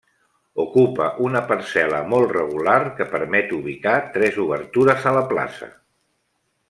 Ocupa una parcel·la molt regular que permet ubicar tres obertures a la plaça.